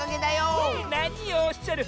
なにをおっしゃる！